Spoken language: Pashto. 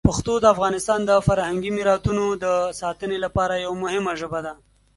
پښتو د افغانستان د فرهنګي میراتونو د ساتنې لپاره یوه مهمه ژبه ده.